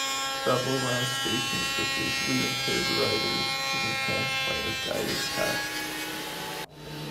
Travel around stations for visually impaired riders is enhanced by a guided path.